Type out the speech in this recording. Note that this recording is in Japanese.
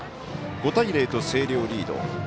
５対０と星稜リード。